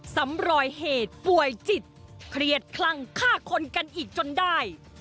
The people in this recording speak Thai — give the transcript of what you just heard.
สำรอยเหตุป่วยจิตเครียดคลั่งฆ่าคนกันอีกจนได้